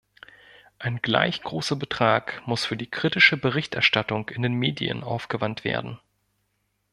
Ein gleich großer Betrag muss für die kritische Berichterstattung in den Medien aufgewandt werden.